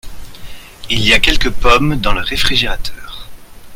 Il y a quelques pommes dans le réfrigérateur.